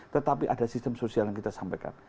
tetapi ada sistem sosial yang kita sampaikan